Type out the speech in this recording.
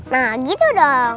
nah gitu dong